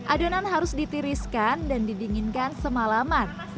adonan harus ditiriskan dan didinginkan semalaman